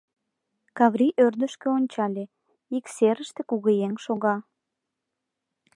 Каврий ӧрдыжкӧ ончале: ик серыште кугыеҥ шога...